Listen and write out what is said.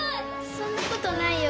そんなことないよ。